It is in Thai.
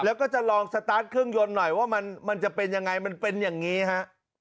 แล้วก็จะลองสตาร์ทเครื่องยนต์หน่อยว่ามันจะเป็นยังไงมันเป็นอย่างนี้ฮะ